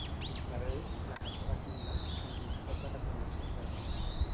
Insereix "La cançó d'Aquil·les" al llistat de recomanacions de llibres.